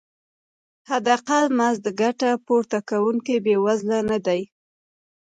حداقل مزد ګټه پورته کوونکي بې وزله نه دي.